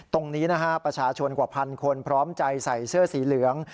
ตรงนี้นะฮะประชาชนกว่าพันคนพร้อมใจใส่เสื้อสีเหลือง